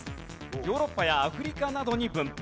ヨーロッパやアフリカなどに分布。